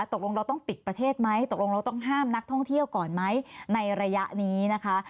ตกลงเราต้องปิดประเทศไหมตกลงเราต้องห้ามนักท่องเที่ยวก่อนไหมในระยะนี้นะคะ